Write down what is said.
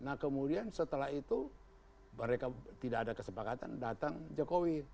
nah kemudian setelah itu mereka tidak ada kesepakatan datang jokowi